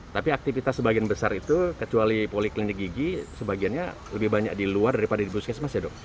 tapi aktivitas sebagian besar itu kecuali poliklinik gigi sebagiannya lebih banyak di luar daripada di puskesmas ya dok